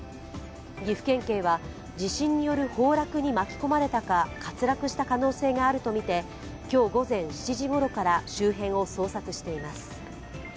岐阜県警は、地震による崩落に巻き込まれたか滑落した可能性があるとみて、今日午前７時ごろから周辺を捜索しています。